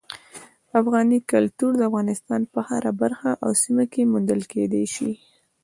افغاني کلتور د افغانستان په هره برخه او سیمه کې موندل کېدی شي.